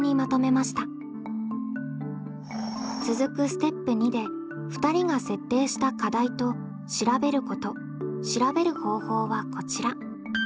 続くステップ２で２人が設定した課題と「調べること」「調べる方法」はこちら。